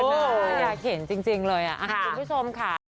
เออน่าอยากเห็นจริงเลยอ่ะค่ะคุณผู้ชมค่ะ